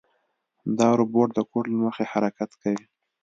دا روبوټ د کوډ له مخې حرکت کوي.